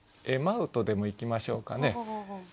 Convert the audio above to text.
「まふ」とでもいきましょうかね。